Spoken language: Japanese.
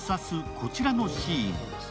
こちらのシーン。